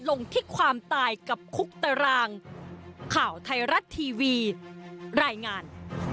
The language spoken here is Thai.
ลงที่ความตายกับคุกตารางข่าวไทยรัฐทีวีรายงาน